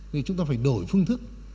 thì chúng ta phải đổi phương thức